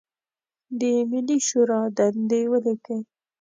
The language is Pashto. د ملي شورا دندې ولیکئ.